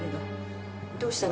どうしたの？